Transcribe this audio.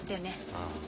ああ。